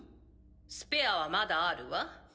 スペアはまだあるわ。